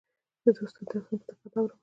زه د استاد درسونه په دقت اورم.